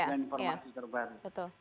dan informasi terbaru